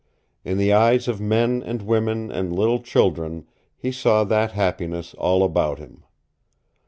In the eyes of men and women and little children he saw that happiness all about him.